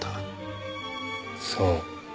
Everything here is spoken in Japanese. そう。